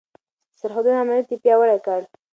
د سرحدونو امنيت يې پياوړی کړ.